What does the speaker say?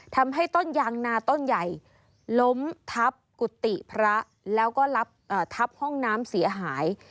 ทำให้ต้นยางนาต้นใหญ่ล้มทับกุฏิพระแล้วก็ทับห้องน้ำเสียหาย